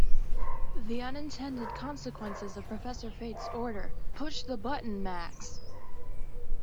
The unintended consequences of Professor Fate's order, Push the button, Max!